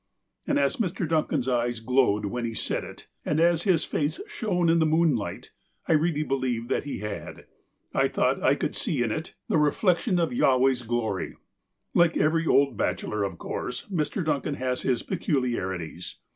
And as Mr. Duncan's eyes glowed when he said it, and as his face shone in the moonlight, I really believed that he had. I thought I could see in it the reflection of Jahve's glory. Like every old bachelor, of course Mr. Duncan has his peculiarities.